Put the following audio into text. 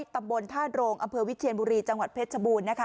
ตำบลธาตุโรงอำเภอวิเชียนบุรีจังหวัดเพชรชบูรณ์นะคะ